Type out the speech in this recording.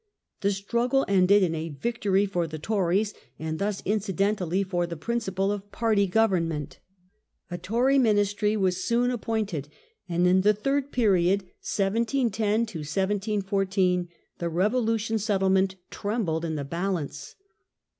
The struggle ended in a victory for the Tories, and thus incidentally for the principle of party government. A Tory ministry was soon appointed, and in the third period (1710 1714) the Revolution settlement trembled in the balance.